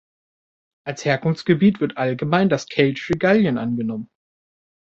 Als Herkunftsgebiet wird allgemein das keltische Gallien angenommen.